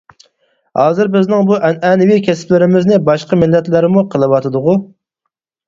ھازىر بىزنىڭ بۇ ئەنئەنىۋى كەسىپلىرىمىزنى باشقا مىللەتلەرمۇ قىلىۋاتىدىغۇ!